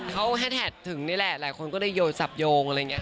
เขาแฮดถึงนี่แหละหลายคนก็ได้โยยสัพโยงอะไรอย่างนี้ค่ะ